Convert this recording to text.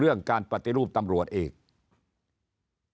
เรื่องการปฏิรูปตำรวจเอง